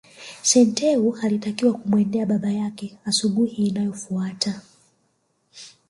Senteu alitakiwa kumwendea baba yake asubuhi inayofuata